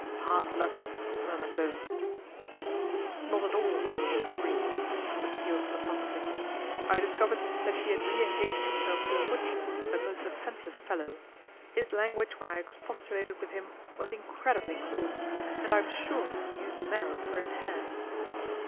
" Hard luck !" murmured Bowen. " Not at all, my lord, really," said Peel philo sophically. " I discovered that she had re engaged herself to a butcher, a most offensive fellow. His language when I expostulated with him was incredibly coarse, and I am sure he used marrow for his hair."